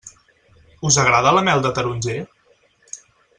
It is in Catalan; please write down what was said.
Us agrada la mel de taronger?